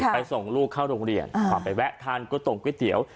ส่งลูกเข้าโรงเรียนไปแวะทานก๋วตรงก๋วยเตี๋ยว